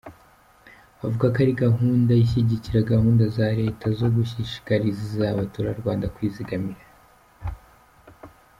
Avuga ko ari gahunda ishyigikira gahunda za Leta zo gushishikariza abaturarwanda kwizigamira.